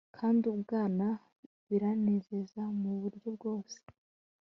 Kandi Ubwana biranezeza muburyo bwose